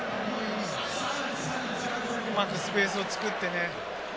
うまくスペースを作ってね。